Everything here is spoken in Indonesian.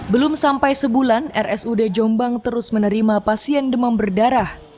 belum sampai sebulan rsud jombang terus menerima pasien demam berdarah